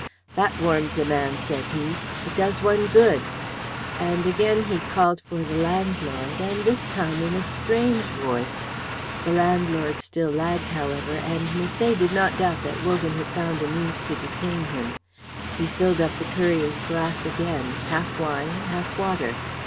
"That warms a man," said he. "It does one good;" and again he called for the landlord, and this time in a strange voice. The landlord still lagged, however, and Misset did not doubt that Wogan had found a means to detain him. He filled up the courier's glass again, half wine, half water.